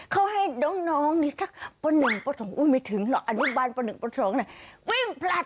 เขาให้น้องนี่นิสักในประวัติภาพอศีลปัน๑ประวัติภาพอศีลปัน๒นั่นหวิ่งผลัด